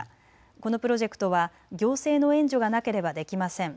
このプロジェクトは行政の援助がなければできません。